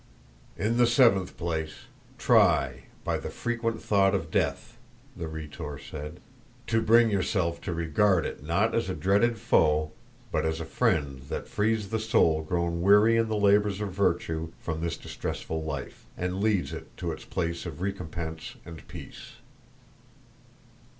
"In the seventh place, try, by the frequent thought of death," the Rhetor said, "to bring yourself to regard it not as a dreaded foe, but as a friend that frees the soul grown weary in the labors of virtue from this distressful life, and leads it to its place of recompense and peace."